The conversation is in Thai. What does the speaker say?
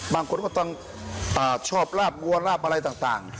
บางคนก็ต้องชอบลาบบัวลาบอะไรต่าง